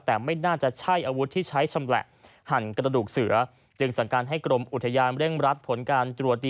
แต่ไม่น่าจะใช่อาวุธที่ใช้ชำแหละ